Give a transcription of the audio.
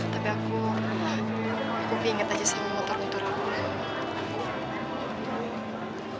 tapi aku aku binget aja sama motor motor aku